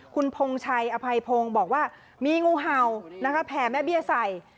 คุณพงชัยอภัยพงศ์บอกว่ามีงูเห่านะคะแผ่แม่เบี้ยใส่